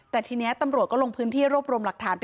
แต่ทีนี้ตำรวจก็ลงพื้นที่รวบรวมหลักฐาน